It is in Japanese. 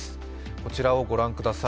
こちらをご覧ください。